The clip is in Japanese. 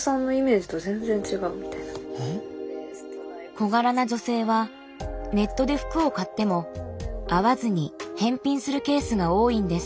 小柄な女性はネットで服を買っても合わずに返品するケースが多いんです。